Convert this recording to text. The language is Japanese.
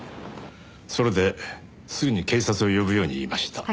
それですぐに警察を呼ぶように言いました。